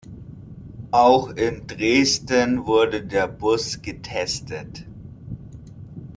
Auch in Dresden wurde der Bus getestet.